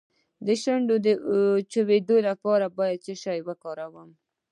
د شونډو د وچیدو لپاره باید څه شی وکاروم؟